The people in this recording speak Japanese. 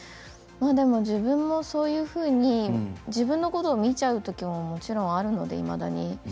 でも自分もそういうふうに自分のことを見ちゃう時ももちろんあるのでいまだに。